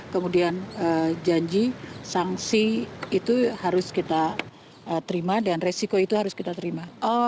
kemudian janji sanksi itu harus kita terima dan resiko itu harus kita terima